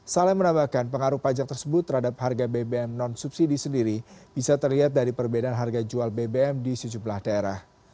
saleh menambahkan pengaruh pajak tersebut terhadap harga bbm non subsidi sendiri bisa terlihat dari perbedaan harga jual bbm di sejumlah daerah